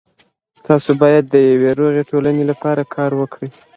تاسو باید د یوې روغې ټولنې لپاره کار وکړئ.